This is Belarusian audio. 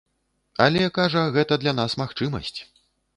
Але, кажа, гэта для нас магчымасць.